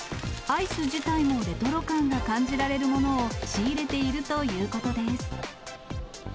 アイス自体もレトロ感が感じられるものを仕入れているということです。